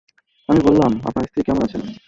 আমি বললাম, আপনার স্ত্রী কেমন আছেন?